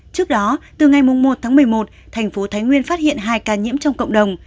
trước đó từ ngày một tháng một mươi một thành phố thái nguyên phát hiện hai ca nhiễm trong cộng đồng